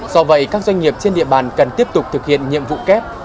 do vậy các doanh nghiệp trên địa bàn cần tiếp tục thực hiện nhiệm vụ kép